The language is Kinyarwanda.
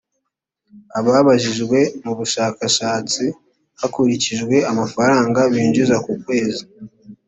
ababajijwe mu bushakashatsi hakurikijwe amafaranga binjiza ku kwezi